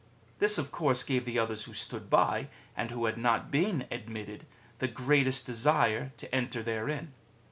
This of course gave the others who stood by, and who had not been admitted, the greatest desire to enter therein.